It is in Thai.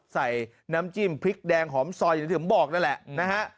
ใส่น้ำจิ้มพริกแดงหอมซอยอย่างที่ผมบอกนั่นแหละนะฮะ